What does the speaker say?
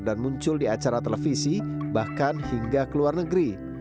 dan muncul di acara televisi bahkan hingga ke luar negeri